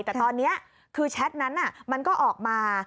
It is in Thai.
แต่ตอนนี้คือแชทนั้นมันก็ออกมา